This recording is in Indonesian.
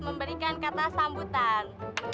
memberikan kata sambutan